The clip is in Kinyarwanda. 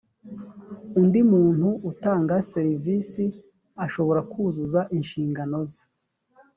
undi muntu utanga serivisi ashobora kuzuza inshingano ze